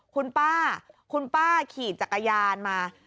คุณพาผู้ชมคี่จักรยานมา